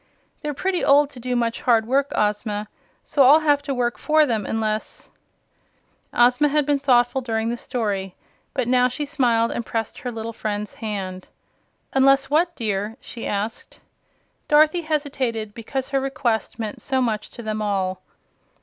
They're pretty old to do much hard work, Ozma; so I'll have to work for them, unless " Ozma had been thoughtful during the story, but now she smiled and pressed her little friend's hand. "Unless what, dear?" she asked. Dorothy hesitated, because her request meant so much to them all.